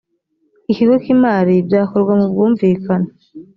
ikigo cy’ imari byakorwa mu bwumvikane